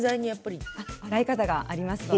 洗い方がありますので。